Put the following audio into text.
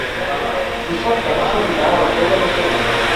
Dissabte na Cel irà a la Pobla de Segur.